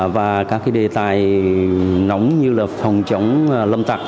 và các đề tài nóng như là phòng chống lâm tặc